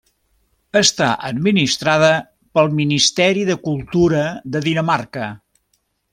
Està administrada pel Ministeri de Cultura de Dinamarca.